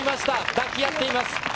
抱き合っています。